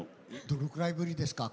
どのくらいぶりですか？